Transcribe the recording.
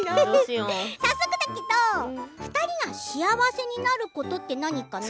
早速だけど、２人が幸せになることって何かな？